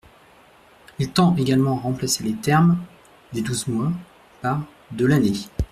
Il tend également à remplacer les termes « des douze mois » par « de l’année ».